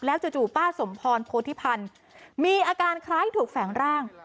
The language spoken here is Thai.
จู่ป้าสมพรโพธิพันธ์มีอาการคล้ายถูกแฝงร่าง